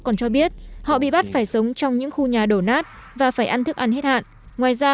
còn cho biết họ bị bắt phải sống trong những khu nhà đổ nát và phải ăn thức ăn hết hạn ngoài ra